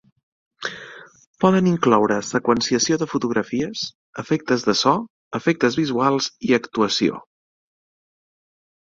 Poden incloure seqüenciació de fotografies, efectes de so, efectes visuals i actuació.